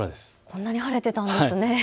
こんなに晴れていたんですね。